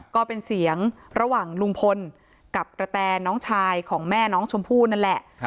ก็เป็นเสียงระหว่างลุงพลกับกระแตน้องชายของแม่น้องชมพู่นั่นแหละ